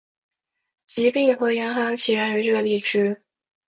疾病和严寒起源于这个地区。